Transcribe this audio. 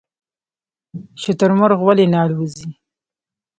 شترمرغ ولې نه الوځي؟